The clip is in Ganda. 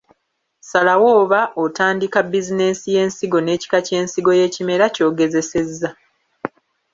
Salawo oba otandika bizinensi y’ensigo n‘ekika ky’ensigo y’ekimera ky’ogezesezza.